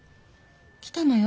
来たのよ。